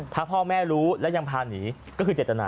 ถ้าพ่อแม่รู้แล้วยังพาหนีก็คือเจตนา